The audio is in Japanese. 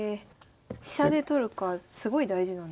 飛車で取るかすごい大事なんですね。